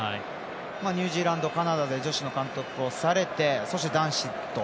ニュージーランドカナダで、女子の監督をされてそして、男子と。